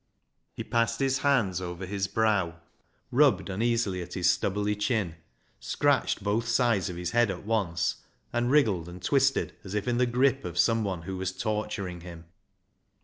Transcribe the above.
He passed his hands over his brow, rubbed uneasily at his stubbly chin, scratched both sides of his head at once, and wriggled and twisted as if in the grip of someone who was torturing him.